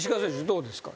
どうですか？